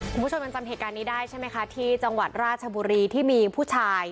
คุณผู้ชมยังจำเหตุการณ์นี้ได้ใช่ไหมคะที่จังหวัดราชบุรีที่มีผู้ชาย